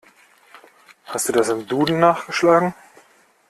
Hast du das im Duden nachgeschlagen?